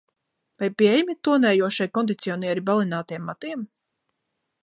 Vai pieejami tonējošie kondicionieri balinātiem matiem?